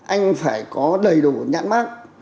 anh phải có đầy đủ nhãn mát